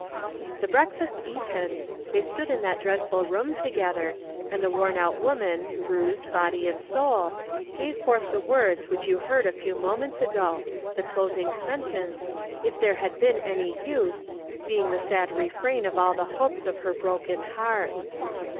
The breakfast eaten, they stood in that dreadful room together, and the worn out woman, bruised, body and soul, gave forth the words which you heard a few momenta ago, the closing sentence, "if there had been any use," being the sad refrain of all the hopes of her broken heart.